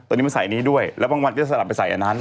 นี้มันใส่อันนี้ด้วยแล้วบางวันก็จะสลับไปใส่อันนั้น